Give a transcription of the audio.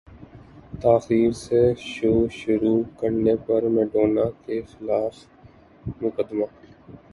تاخیر سے شو شروع کرنے پر میڈونا کے خلاف مقدمہ